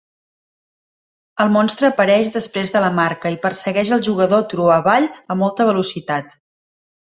El monstre apareix després de la marca y persegueix al jugador turó avall a molta velocitat.